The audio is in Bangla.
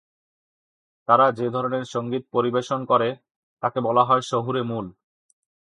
তারা যে ধরনের সঙ্গীত পরিবেশন করে তাকে বলা হয় শহুরে মূল।